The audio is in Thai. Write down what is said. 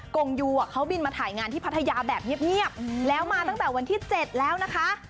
กงยูเขาบินมาถ่ายงานที่พัทยาแบบเงียบแล้วมาตั้งแต่วันที่๗แล้วนะคะ